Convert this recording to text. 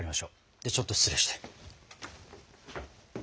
ではちょっと失礼して。